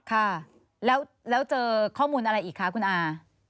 ค่ะแล้วเจอข้อมูลอะไรอีกคะคุณอา